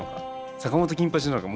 坂本金八なのか？